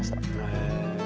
へえ。